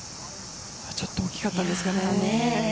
ちょっと大きかったですかね。